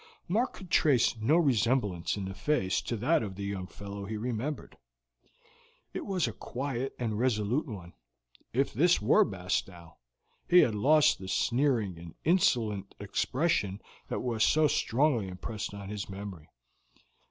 Mark could trace no resemblance in the face to that of the young fellow he remembered. It was a quiet and resolute one. If this were Bastow, he had lost the sneering and insolent expression that was so strongly impressed on his memory.